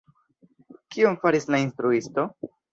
Kion faris la instruisto?